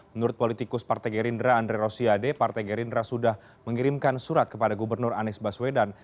menurut politikus partai gerindra andre rosiade partai gerindra sudah mengirimkan surat kepada gubernur anies baswedan